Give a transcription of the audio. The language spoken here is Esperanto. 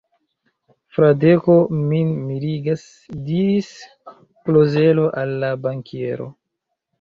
Fradeko min mirigas, diris Klozelo al la bankiero.